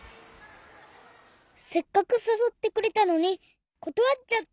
せっかくさそってくれたのにことわっちゃった。